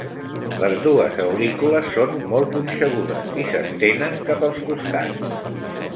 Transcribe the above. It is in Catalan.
Les dues aurícules són molt punxegudes i s'estenen cap als costats.